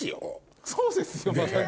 そうですよまだ。